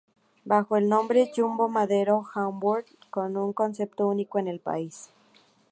Bajo el nombre Jumbo Madero Harbour, con un concepto único en el país.